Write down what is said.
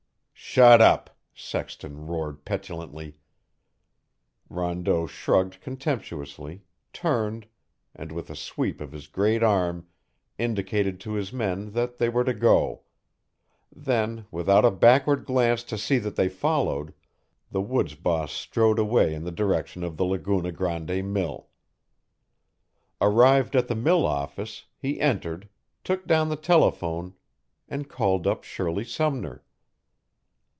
"Shut up," Sexton roared petulantly. Rondeau shrugged contemptuously, turned, and with a sweep of his great arm indicated to his men that they were to go; then, without a backward glance to see that they followed, the woods boss strode away in the direction of the Laguna Grande mill. Arrived at the mill office, he entered, took down the telephone, and called up Shirley Sumner.